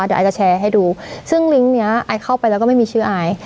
อายจะแชร์ให้ดูซึ่งลิ้งค์เนี้ยอายเข้าไปแล้วก็ไม่มีชื่ออาย